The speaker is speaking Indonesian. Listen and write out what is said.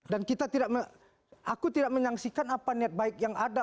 dan kita tidak aku tidak menyaksikan apa niat baik yang ada